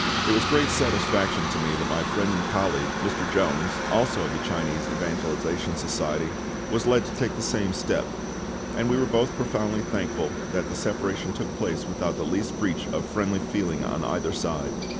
It was a great satisfaction to me that my friend and colleague, Mr. Jones, also of the Chinese Evangelisation Society, was led to take the same step; and we were both profoundly thankful that the separation took place without the least breach of friendly feeling on either side.